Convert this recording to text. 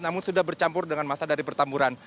namun sudah bercampur dengan masa dari pertamburan